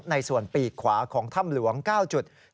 ในส่วนปีกขวาของถ้ำหลวง๙จุด